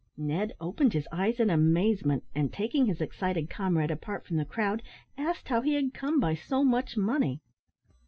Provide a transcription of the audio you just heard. Ned opened his eyes in amazement, and, taking his excited comrade apart from the crowd, asked how he had come by so much money.